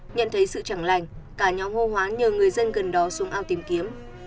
nhận thấy sự chẳng lành cả nhóm hô hoán nhờ người dân gần đó xuống ao tìm kiếm